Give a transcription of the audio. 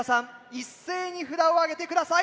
一斉に札をあげて下さい。